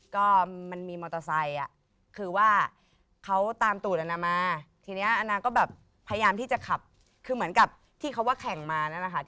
ก็มันมีมอเตอร์ไซค์คือว่าเขาตามตูดอนามาทีนี้อนาก็แบบพยายามที่จะขับคือเหมือนกับที่เขาว่าแข่งมานั่นแหละค่ะ